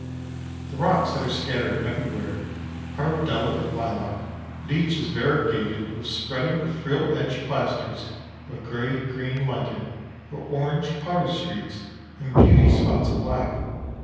The rocks that are scattered everywhere are of a delicate lilac, but each is variegated with spreading frill edged plasters of gray green lichen or orange powder streaks and beauty spots of black.